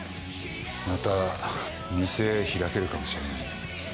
また、店開けるかもしれない。